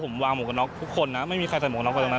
ผมวางหมวกกันน็อกทุกคนนะไม่มีใครใส่หมวกน็อกไปตรงนั้น